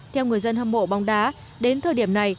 theo người dân hâm mộ bóng đá đến thời điểm này